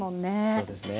そうですね。